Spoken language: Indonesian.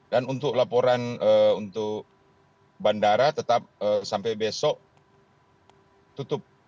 dan untuk laporan untuk bandara tetap sampai besok tutup